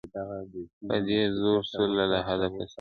په دې زور سو له لحده پاڅېدلای-